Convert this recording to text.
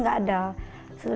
negara dari s tactic